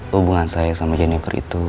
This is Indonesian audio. hubungan saya sama jenniper itu